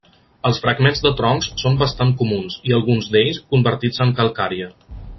Els fragments de troncs són bastant comuns, i alguns d'ells convertits en calcària.